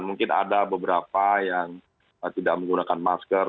mungkin ada beberapa yang tidak menggunakan masker